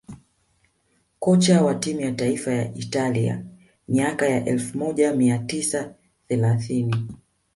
kocha wa timu ya taifa ya Italia miaka ya elfu moja mia tisa thelathini